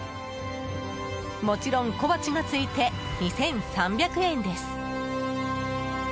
もちろん小鉢が付いて２３００円です。